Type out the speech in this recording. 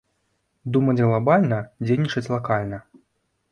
Думаць глабальна, дзейнічаць лакальна.